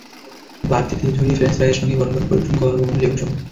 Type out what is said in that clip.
বাড়তি তেল ঝরিয়ে ফ্রেঞ্চ ফ্রাইয়ের সঙ্গে গরম গরম পরিবেশন করুন লেবুসহ।